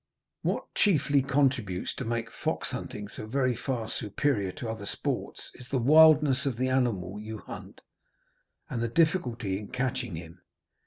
What chiefly contributes to make fox hunting so very far superior to other sports is the wildness of the animal you hunt, and the difficulty in catching him.